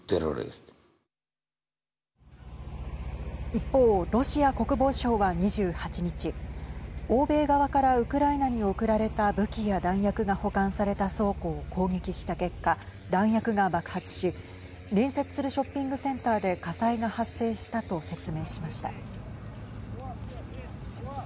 一方、ロシア国防省は２８日欧米側からウクライナに送られた武器や弾薬が保管された倉庫を攻撃した結果、弾薬が爆発し隣接するショッピングセンターで火災が発生したと説明しました。